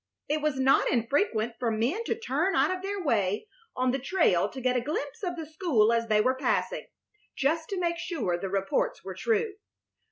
It was not infrequent for men to turn out of their way on the trail to get a glimpse of the school as they were passing, just to make sure the reports were true.